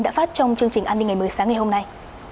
đã phát trong chương trình an ninh ngày mới sáng ngày hôm nay